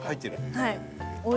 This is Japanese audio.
はい。